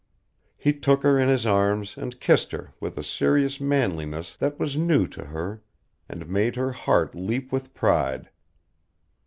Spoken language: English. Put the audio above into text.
He took her in his arms and kissed her with a serious manliness that was new to her, and made her heart leap with pride.